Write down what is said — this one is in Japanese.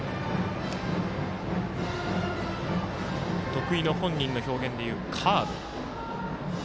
得意の本人の表現でいうカーブ。